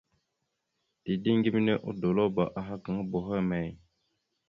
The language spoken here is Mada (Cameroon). Dideŋ geme odolabáaha gaŋa boho emey ?